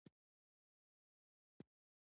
ډيپلومات د سولي او تفاهم پلوی دی.